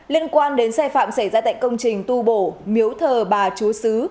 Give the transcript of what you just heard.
liên quan đến sai phạm xảy ra tại công trình tu bổ miếu thờ bà chúa sứ